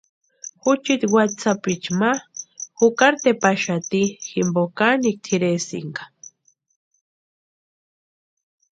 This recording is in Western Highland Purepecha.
Juchiti watsï sapichu ma jukari tepaxati jimpo kanikwa tʼiresïnka.